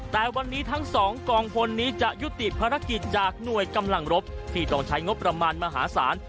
แต่วันนี้ทั้งสองกองพลนี้จะยุติภารกิจจากหน่วยกำลังรบที่ต้องใช้งบประมาณมหาศาล